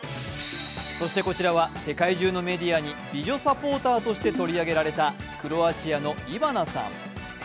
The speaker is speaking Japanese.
そしてこちらは世界中のメディアに美女サポーターとして取り上げられたクロアチアのイヴァナさん。